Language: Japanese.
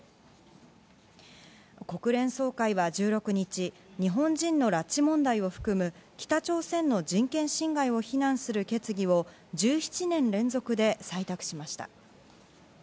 国連総会は１６日、日本人の拉致問題を含む北朝鮮の人権侵害を非難する決議を１７年連続で採択しました。